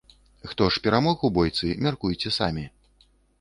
Хто ж перамог у бойцы, мяркуйце самі.